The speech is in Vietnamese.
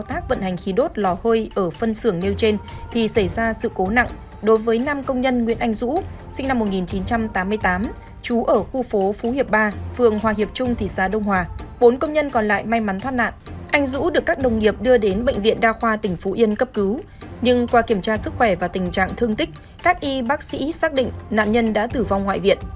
anh dũ được các đồng nghiệp đưa đến bệnh viện đa khoa tỉnh phú yên cấp cứu nhưng qua kiểm tra sức khỏe và tình trạng thương tích các y bác sĩ xác định nạn nhân đã tử vong ngoại viện